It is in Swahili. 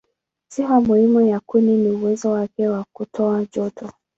Sifa muhimu ya kuni ni uwezo wake wa kutoa joto.